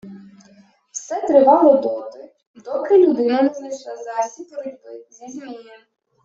Все тривало доти, доки людина не знайшла засіб боротьби зі Змієм